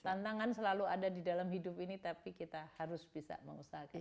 tantangan selalu ada di dalam hidup ini tapi kita harus bisa mengusahakan